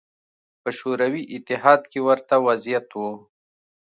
په شوروي اتحاد کې ورته وضعیت و